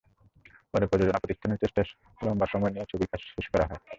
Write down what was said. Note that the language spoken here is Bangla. পরে প্রযোজনা প্রতিষ্ঠানের চেষ্টায় লম্বা সময় নিয়ে ছবিটির কাজ শেষ করা হয়।